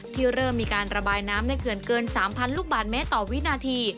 เริ่มมีการระบายน้ำในเขื่อนเกิน๓๐๐ลูกบาทเมตรต่อวินาที